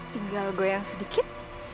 tinggal goyang sedikit